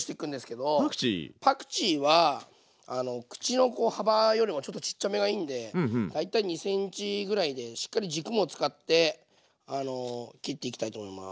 パクチーは口の幅よりもちょっとちっちゃめがいいんで大体２ｃｍぐらいでしっかり軸も使って切っていきたいと思います。